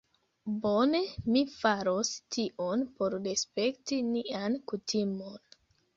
Bone. Mi faros tion por respekti nian kutimon